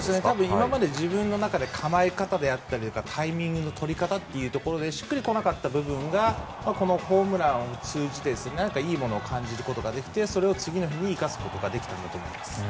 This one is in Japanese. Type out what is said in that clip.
今まで自分の中で構え方であったりタイミングの取り方でしっくりこなかった部分がこのホームランを通じて、何かいいものを感じることができて次の日に生かすことができたんだと思います。